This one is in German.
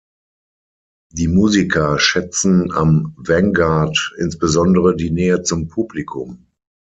Die Musiker schätzen am Vanguard insbesondere die Nähe zum Publikum.